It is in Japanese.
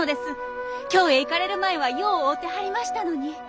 京へ行かれる前はよう会うてはりましたのに。